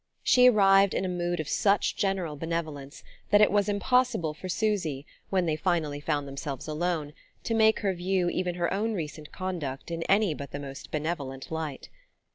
She arrived in a mood of such general benevolence that it was impossible for Susy, when they finally found themselves alone, to make her view even her own recent conduct in any but the most benevolent light.